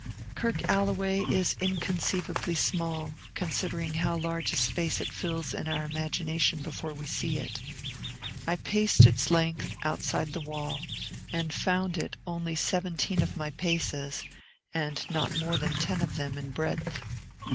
Kirk Alloway is inconceivably small, considering how large a space it fills in our imagination before we see it. I paced its length, outside of the wall, and found it only seventeen of my paces, and not more than ten of them in breadth.